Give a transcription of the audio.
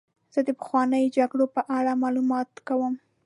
زه د پخوانیو جګړو په اړه مطالعه کوم.